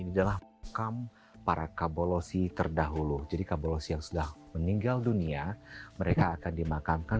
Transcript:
ini adalah makam para kabolosi terdahulu jadi kabolosi yang sudah meninggal dunia mereka akan dimakamkan